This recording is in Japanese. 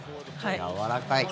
やわらかい。